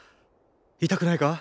痛くないか？